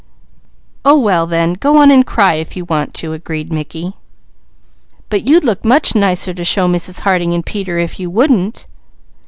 "Oh well then, go on and cry, if you want to," agreed Mickey. "But you'd look much nicer to show Mrs. Harding and Peter if you wouldn't!"